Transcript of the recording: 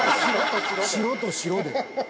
白と白で。